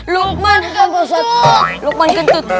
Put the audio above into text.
lukman gentut lukman gentut